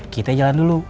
kita jalan dulu